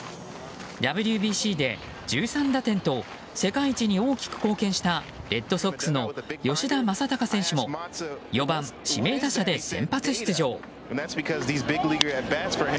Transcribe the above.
ＷＢＣで１３打点と世界一に大きく貢献したレッドソックスの吉田正尚選手も４番指名打者で先発出場。